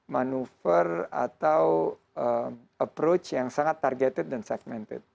manuver atau approach yang sangat targeted dan segmented